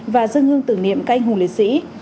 và dân hương tưởng niệm các anh hùng liệt sĩ